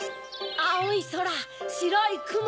あおいそらしろいくも。